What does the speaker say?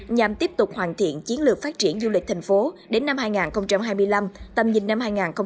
nhằm tiếp tục hoàn thiện chiến lược phát triển du lịch thành phố đến năm hai nghìn hai mươi năm tầm nhìn năm hai nghìn ba mươi